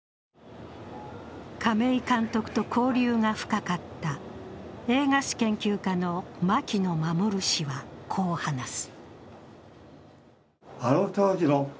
亀井監督と交流が深かった映画史研究家の牧野守氏はこう話す。